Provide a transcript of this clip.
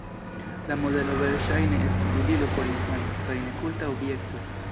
La modelo verŝajne estis ludilo por infano, kaj ne kulta objekto.